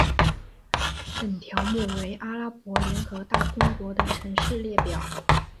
本条目为阿拉伯联合大公国的城市列表。